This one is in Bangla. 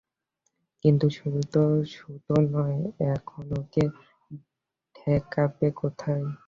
কিন্তু শুধু তো সুতো নয়– এখন ওকে ঠেকাবে কোথায়?